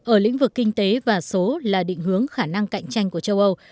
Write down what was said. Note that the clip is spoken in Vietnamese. ở lĩnh vực kinh tế và số là định hướng khả năng cạnh tranh của châu âu